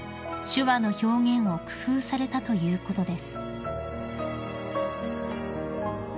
手話の表現を工夫されたということです］